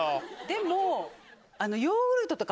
でも。